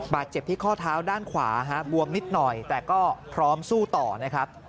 บาดเจ็บที่ข้อเท้าด้านขวาฮะบวมนิดหน่อยแต่ก็พร้อมสู้ต่อนะครับ